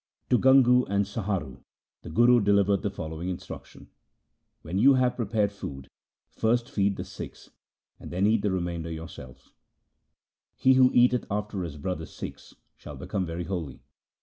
To Gangu and Saharu the Guru delivered the fol lowing instruction :' When you have prepared food, first feed the Sikhs, and then eat the remainder yourselves. He who eateth after his brother Sikhs shall become very holy.